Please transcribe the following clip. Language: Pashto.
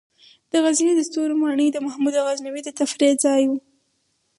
د غزني د ستوري ماڼۍ د محمود غزنوي د تفریح ځای و